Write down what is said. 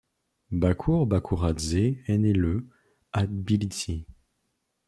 Bakour Bakouradzé est né le à Tbilissi.